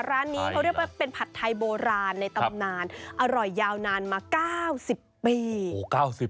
ร้านนี้เขาเรียกว่าเป็นผัดไทยโบราณในตำนานอร่อยยาวนานมา๙๐ปี